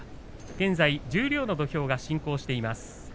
現在、十両の土俵が進行しています。